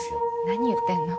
何言ってんの？